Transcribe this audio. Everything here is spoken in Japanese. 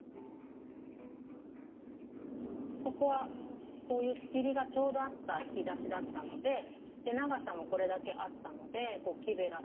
ここはこういう仕切りがちょうどあった引き出しだったのでで長さもこれだけあったのでこう木べらと菜箸を入れてるんですね。